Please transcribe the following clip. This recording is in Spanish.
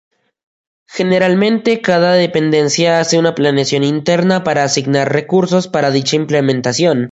Generalmente cada Dependencia hace una planeación interna para asignar recursos para dicha implementación.